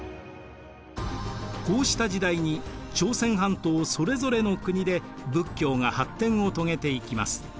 こうした時代に朝鮮半島それぞれの国で仏教が発展を遂げていきます。